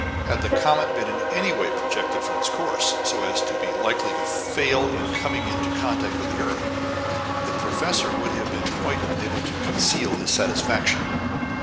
Had the comet been in any way projected from its course, so as to be likely to fail in coming into contact with the earth, the professor would have been quite unable to conceal his satisfaction.